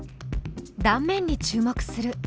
断面に注目する。